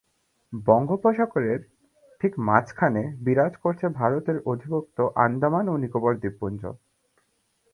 বঙ্গোপসাগরের ঠিক মাঝখানে বিরাজ করছে ভারতের অধিভুক্ত আন্দামান ও নিকোবর দ্বীপপুঞ্জ।